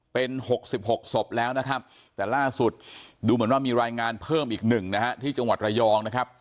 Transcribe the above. เป็น๖๖ศพแล้วนะครับแต่ล่าสุดดูเหมือนว่ามีรายงานเพิ่มอีกหนึ่งนะฮะที่จังหวัดระยองนะครับ